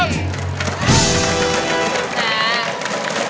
ไม่ใช้